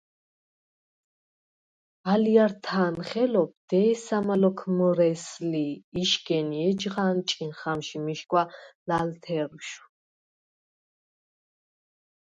ალჲართა̄ნ ხელობ დე̄სამა ლოქ მჷრე̄ს ლი იშგენ ი ეჯღა ანჭინხ ამჟი მიშგვა ლალთერშვ.